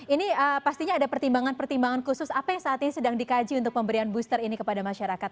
ini pastinya ada pertimbangan pertimbangan khusus apa yang saat ini sedang dikaji untuk pemberian booster ini kepada masyarakat